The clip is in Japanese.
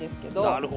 なるほど。